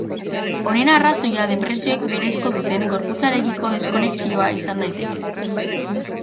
Honen arrazoia depresioek berezko duten gorputzarekiko deskonexioa izan daiteke.